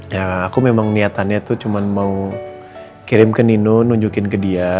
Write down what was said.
ya aku memang niatannya tuh cuman mau kirim ke nino nunjukin ke dia